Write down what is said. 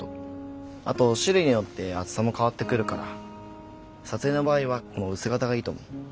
あと種類によって厚さも変わってくるから撮影の場合はこの薄型がいいと思う。